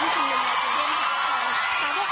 ในชุมลุมแนที่เชียงมีคำตอบ